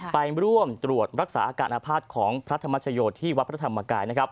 ไปร่วมตรวจรักษาอาการอภาษณ์ของพระธรรมชโยที่วัดพระธรรมกาย